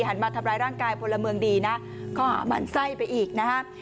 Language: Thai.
หันมาทำร้ายร่างกายพลเมืองดีนะข้อหามันไส้ไปอีกนะฮะ